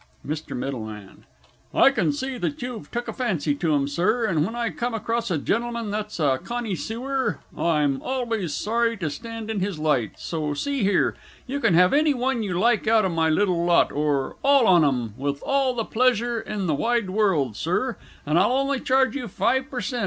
MR. M. I can see you've took a fancy to 'em, Sir, and, when I come across a gentleman that's a connysewer, I'm always sorry to stand in his light; so, see here, you can have any one you like out o' my little lot, or all on 'em, with all the pleasure in the wide world, Sir, and I'll on'y charge you five per cent.